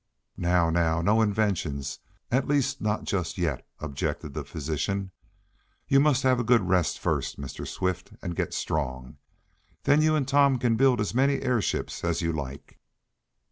"Now! now! No inventions at least not just yet!" objected the physician. "You must have a good rest first, Mr. Swift, and get strong. Then you and Tom can build as many airships as you like."